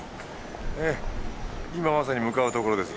ええ今まさに向かうところです。